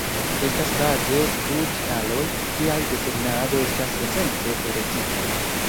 Estas baze du kialoj, kial desegnado estas esence erotika.